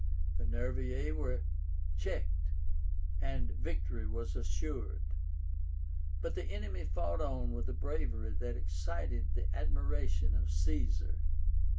The Nervii were checked, and victory was assured. But the enemy fought on with a bravery that excited the admiration of Caesar.